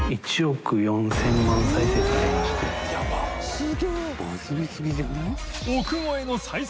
垢欧Аバズりすぎじゃない？